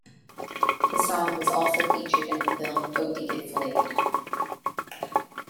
The song was also featured in the film "Opie Gets Laid".